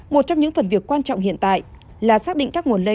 một trong những phần việc quan trọng hiện tại là xác định các nguồn lây